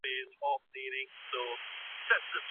که د پارکونو ساتنه وسي، نو شنه ساحه نه له منځه ځي.